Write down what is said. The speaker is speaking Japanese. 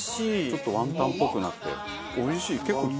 ちょっとワンタンっぽくなっておいしい。